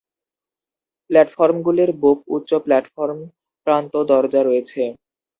প্ল্যাটফর্মগুলির বুক-উচ্চ প্ল্যাটফর্ম প্রান্ত দরজা রয়েছে।